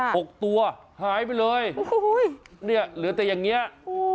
หกตัวหายไปเลยโอ้โหเนี้ยเหลือแต่อย่างเงี้ยโอ้โห